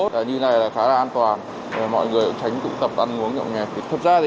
như thế này khá là an toàn mọi người cũng tránh tụ tập ăn uống nhậu nghề